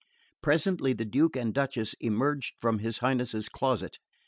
Presently the Duke and Duchess emerged from his Highness's closet.